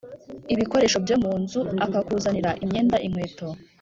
Ibikoresho byomunzu akakuzanira imyenda inkweto